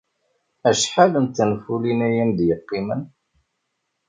Acḥal n tenfulin ay am-d-yeqqimen?